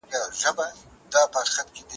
خلګو د خپل حق غوښتنه کړې ده.